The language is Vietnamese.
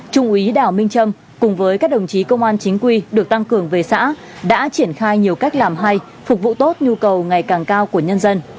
trung úy đảo minh trâm cùng với các đồng chí công an chính quy được tăng cường về xã đã triển khai nhiều cách làm hay phục vụ tốt nhu cầu ngày càng cao của nhân dân